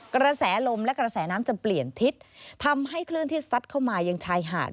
กระแสลมและกระแสน้ำจะเปลี่ยนทิศทำให้คลื่นที่ซัดเข้ามายังชายหาด